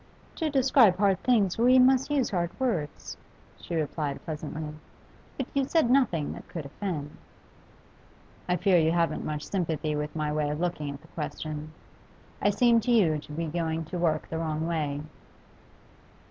'To describe hard things we must use hard words,' she replied pleasantly, 'but you said nothing that could offend.' 'I fear you haven't much sympathy with my way of looking at the question. I seem to you to be going to work the wrong way.